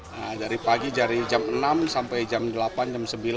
nah dari pagi dari jam enam sampai jam delapan jam sembilan